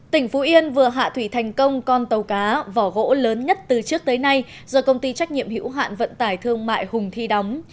tỉnh phú yên vừa hạ thủy thành công con tàu cá vỏ gỗ lớn nhất từ trước tới nay do công ty trách nhiệm hữu hạn vận tải thương mại hùng thi đóng